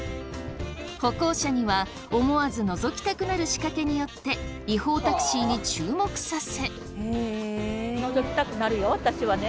歩行者には思わずのぞきたくなる仕掛けによって違法タクシーに注目させ。